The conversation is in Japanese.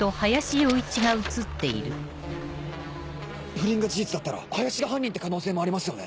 不倫が事実だったら林が犯人って可能性もありますよね？